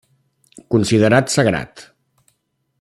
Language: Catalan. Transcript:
Considerat sagrat.